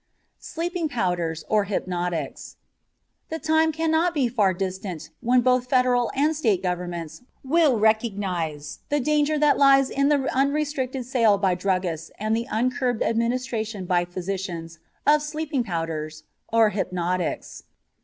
SLEEPING POWDERS, OR HYPNOTICS The time cannot be far distant when both Federal and State governments will recognize the danger that lies in the unrestricted sale by druggists and the uncurbed administration by physicians of sleeping powders, or hypnotics.